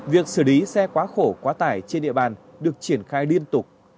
việc xử lý xe quá khổ quá tải trên địa bàn được triển khai liên tục